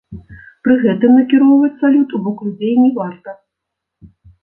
Пры гэтым накіроўваць салют у бок людзей не варта.